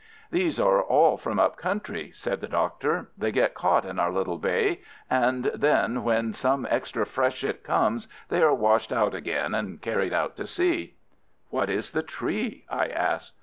"These are all from up country," said the Doctor. "They get caught in our little bay, and then when some extra freshet comes they are washed out again and carried out to sea." "What is the tree?" I asked.